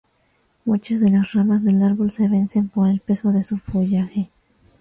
Muchas de las ramas del árbol se vencen por el peso de su follaje.